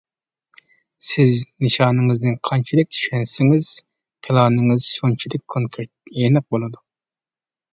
سىز نىشانىڭىزنى قانچىلىك چۈشەنسىڭىز، پىلانىڭىز شۇنچىلىك كونكرېت، ئېنىق بولىدۇ.